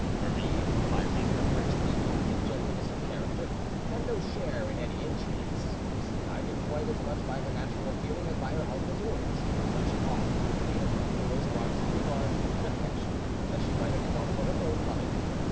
Marie, who by reason of her extreme youth and gentleness of character had no share in any intrigues, was guided quite as much by her natural feeling as by her husband's orders when she offered to the Queen of Hungary those marks of regard and affection that she might have felt for her own mother.